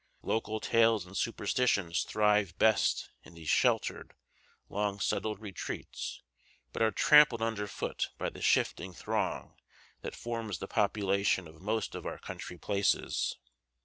Local tales and superstitions thrive best in these sheltered, long settled retreats but are trampled under foot by the shifting throng that forms the population of most of our country places.